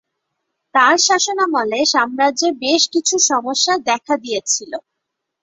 তার শাসনামলে সাম্রাজ্যে বেশ কিছু সমস্যা দেখা দিয়েছিল।